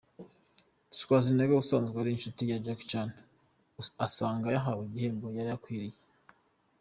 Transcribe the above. Schwarzenegger usanzwe ari inshuti ya Jackie Chan, asanga yahawe igihembo yari akwiriye.